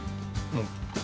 うん。